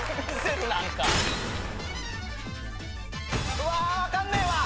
うわ分かんねえわ。